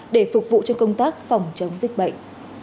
để phục vụ cho công tác phòng chống dịch bệnh